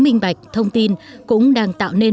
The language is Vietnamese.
minh bạch thông tin cũng đang tạo nên